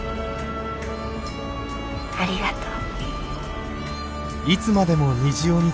ありがとう。